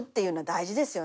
大事ですよ。